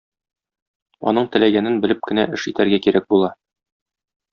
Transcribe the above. Аның теләгәнен белеп кенә эш итәргә кирәк була.